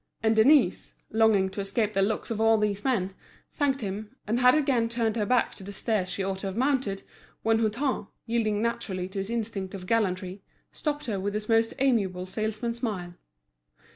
And Denise, longing to escape the looks of all these men, thanked him, and had again turned her back to the stairs she ought to have mounted, when Hutin, yielding naturally to his instinct of gallantry, stopped her with his most amiable salesman's smile.